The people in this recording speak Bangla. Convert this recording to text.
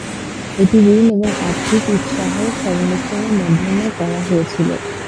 এটি ঋণ এবং আর্থিক উৎসাহের সংমিশ্রণের মাধ্যমে করা হয়েছিল।